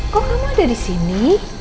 kok kamu ada disini